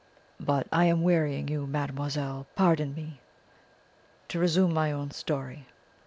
But I am wearying you, mademoiselle pardon me! To resume my own story.